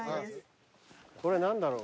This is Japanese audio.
これ何だろう